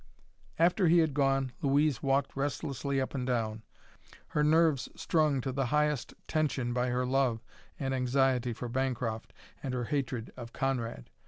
After he had gone, Louise walked restlessly up and down, her nerves strung to the highest tension by her love and anxiety for Bancroft and her hatred of Conrad.